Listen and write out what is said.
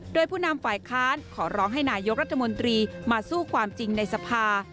โดยผู้นำฝ่ายค้านขอร้องให้นายกรัฐมนตรีมาสู้ความจริงในสภา